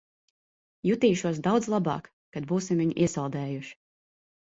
Jutīšos daudz labāk, kad būsim viņu iesaldējuši.